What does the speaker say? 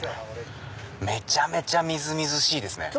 めちゃめちゃみずみずしいです。